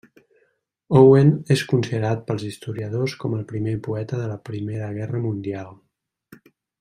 Owen és considerat pels historiadors com el primer poeta de la Primera Guerra Mundial.